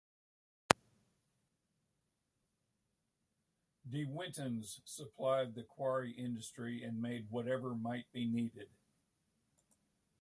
De Winton's supplied the quarry industry and made whatever might be needed.